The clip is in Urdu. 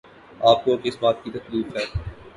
آپ کو کس بات کی تکلیف ہے؟